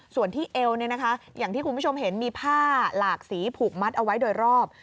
ส่วนที่เอวอย่างที่คุณผู้ชมเห็นมีผ้าหลากสีผูกมัดเอาไว้โดยรอบ